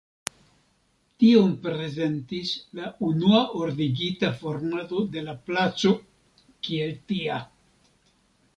Tion prezentis la unua ordigita formado de la placo kiel tia.